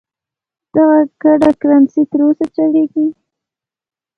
دغه ګډه کرنسي تر اوسه چلیږي.